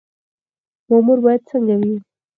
مامور باید څنګه وي؟